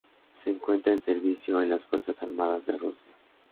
Se encuentra en servicio en las Fuerzas Armadas de Rusia.